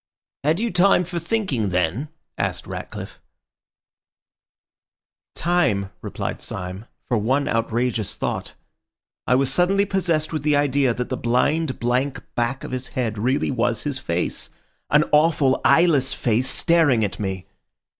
"Had you time for thinking then?" asked Ratcliffe. "Time," replied Syme, "for one outrageous thought. I was suddenly possessed with the idea that the blind, blank back of his head really was his face—an awful, eyeless face staring at me!